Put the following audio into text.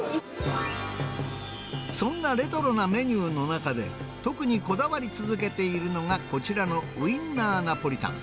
そんなレトロなメニューの中で、特にこだわり続けているのが、こちらのウインナーナポリタン。